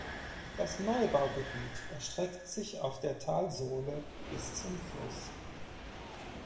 Das Neubaugebiet erstreckt sich auf der Talsohle bis zum Fluss.